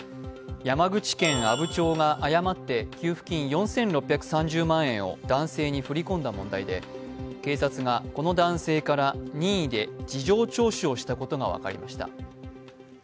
山口県阿武町が誤って給付金４６３０万円を男性に振り込んだ問題で警察がこの男性から任意で事情聴取をしたことが分かりました。